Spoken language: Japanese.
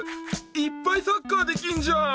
いっぱいサッカーできんじゃん！